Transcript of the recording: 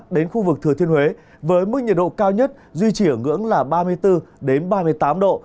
đến khu vực thừa thiên huế với mức nhiệt độ cao nhất duy trì ở ngưỡng là ba mươi bốn ba mươi tám độ